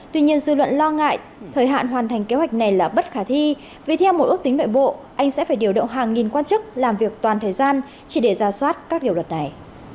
tuy nhiên dư luận lo ngại thời hạn hoàn thành kế hoạch này là bất khả thi vì theo một ước tính nội bộ anh sẽ phải điều động hàng nghìn quan chức làm việc toàn thời gian chỉ để ra soát các điều luật này